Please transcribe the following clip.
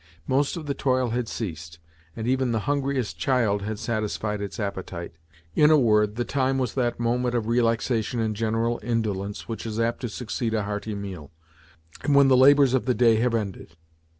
Most of the toil had ceased, and even the hungriest child had satisfied its appetite. In a word, the time was that moment of relaxation and general indolence which is apt to succeed a hearty meal, and when the labours of the day have ended.